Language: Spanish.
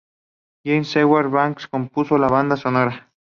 James Edward Barker compuso la banda sonora.